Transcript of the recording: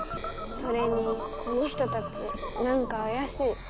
それにこの人たちなんかあやしい。